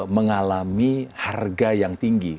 mengalami harga yang tinggi